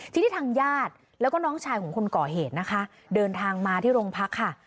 ทีนี้ทางญาติแล้วก็น้องชายของคนก่อเหตุนะคะเดินทางมาที่โรงพักค่ะ